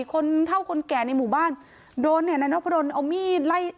คนเท่าคนแก่ในหมู่บ้านโดนเนี่ยนายนพดลเอามีดไล่